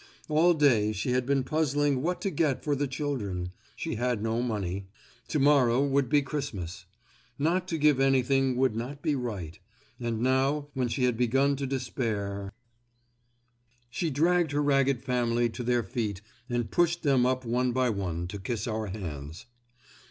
All day she had been puzzling what to get for the children. She had no money. Tomorrow would be Christmas. Not to give anything would not be right. And now, when she had begun to despair——. She dragged her ragged family to their feet and pushed them up one by one to kiss our hands.